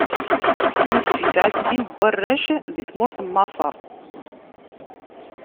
Yusef isɛa-d sin n warrac di tmurt n Maṣer.